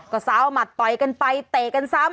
ก็ซ้าวหมัดต่อยกันไปเตะกันซ้ำ